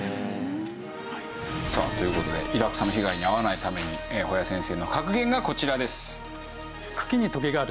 さあという事でイラクサの被害に遭わないために保谷先生の格言がこちらです。